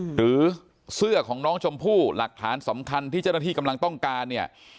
หรือเสื้อของน้องชมพู่หลักฐานสำคัญที่เจ้าหน้าที่กำลังต้องการเนี่ย